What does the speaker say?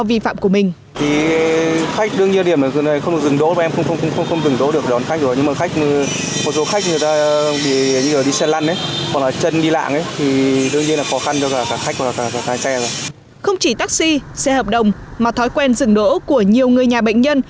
khu vực của mình không chỉ taxi xe hợp đồng mà thói quen dừng đỗ của nhiều người nhà bệnh nhân